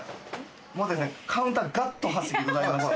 もうカウンターガッと８席ございまして。